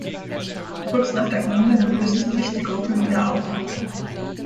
Kurz nach der Gründung löst sich die Gruppe wieder auf.